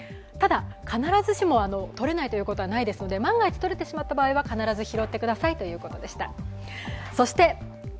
ただ、必ずしも取れないということはないですので万が一とれてしまった場合は必ず拾ってくださいということでした。